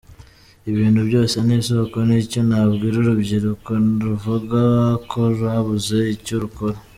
Ibintu byose ni isoko, ni cyo nabwira urubyiruko ruvuga ko rwabuze icyo rukora.